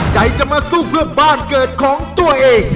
ใจจะมาสู้เพื่อบ้านเกิดของตัวเอง